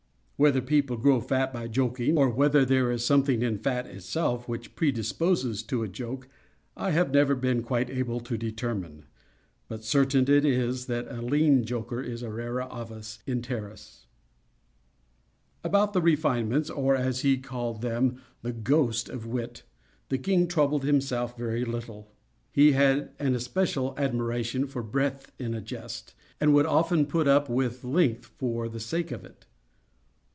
Whether people grow fat by joking, or whether there is something in fat itself which predisposes to a joke, I have never been quite able to determine; but certain it is that a lean joker is a rara avis in terris. About the refinements, or, as he called them, the "ghost" of wit, the king troubled himself very little. He had an especial admiration for breadth in a jest, and would often put up with length, for the sake of it.